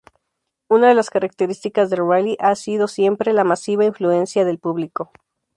Una de las características del rally ha sido siempre la masiva influencia de público.